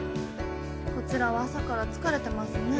こちらは朝から疲れてますね。